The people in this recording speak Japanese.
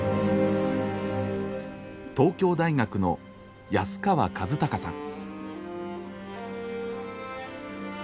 東京大学の安川和孝さん。